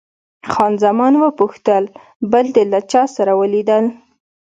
خان زمان وپوښتل، بل دې له چا سره ولیدل؟